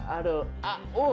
aduh ah uh